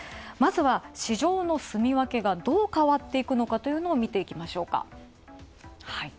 まずは市場のすみ分けがどう変っていくのかを見ていきましょうか